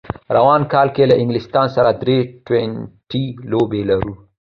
راروان کال کې له انګلستان سره درې ټي ټوینټي لوبې لرو